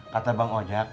kata bang ojak